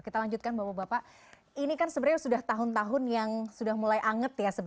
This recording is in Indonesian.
kita lanjutkan bapak bapak ini sudah tahun tahun yang mulai anget ya